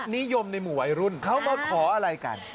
นิยมในหมู่วัยรุ่นเขามาขออะไรกัน